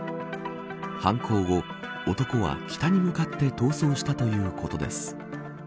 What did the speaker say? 犯行後、男は北に向かって逃走したということです。